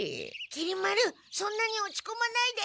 きり丸そんなに落ちこまないで。